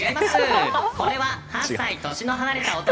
これは、８歳年の離れた弟